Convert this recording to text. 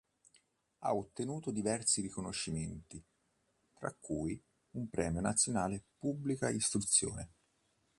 Ha ottenuto diversi riconoscimenti tra cui un Premio Nazionale Pubblica Istruzione.